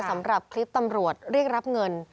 สำหรับคลิปตำรวจเรียกรับเงิน